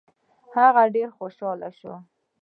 هغه ډېر خوشاله شو.